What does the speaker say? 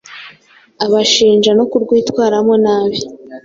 Abashinja no kurwitwaramo nabi